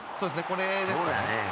これですかね。